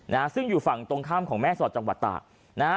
นะฮะซึ่งอยู่ฝั่งตรงข้ามของแม่สอดจังหวัดตากนะฮะ